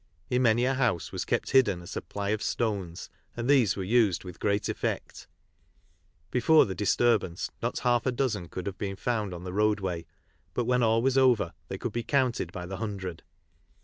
In many a house was kept hidden a supply of stones, and these were used with great effect. Before the disturbance not half a dozen could have been found on the roadway, but when all was over they could be counted by the hundred.